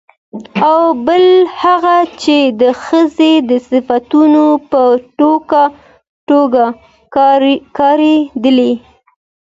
او بل هغه چې د ښځې د صفتونو په توګه کارېدلي